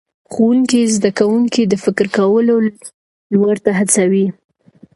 ښوونکی زده کوونکي د فکر کولو لور ته هڅوي